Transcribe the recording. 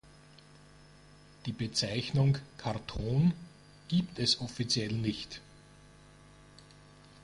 Die Bezeichnung „Karton“ gibt es offiziell nicht.